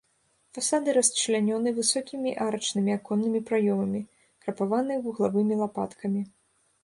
Фасады расчлянёны высокімі арачнымі аконнымі праёмамі, крапаваны вуглавымі лапаткамі.